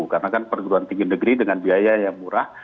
karena kan perguruan tinggi negeri dengan biaya yang murah